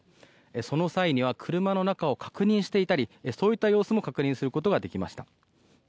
その際には車の中を確認していたりそういった様子も確認することができました。